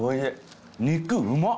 肉うまっ！